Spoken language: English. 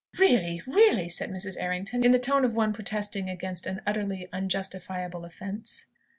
"Really! Really!" said Mrs. Errington, in the tone of one protesting against an utterly unjustifiable offence.